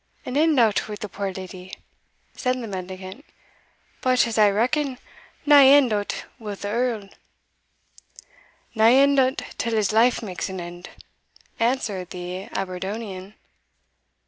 "An end o't wi' the puir leddy," said the mendicant, "but, as I reckon, nae end o't wi' the yerl." "Nae end o't till his life makes an end," answered the Aberdonian.